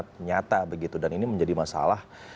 dari malino cnn indonesia